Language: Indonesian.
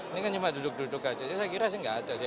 ini kan cuma duduk duduk saja saya kira sih tidak ada